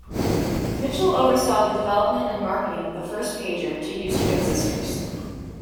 Mitchell oversaw the development and marketing of the first pager to use transistors.